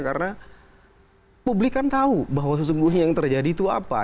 karena publik kan tahu bahwa sesungguhnya yang terjadi itu apa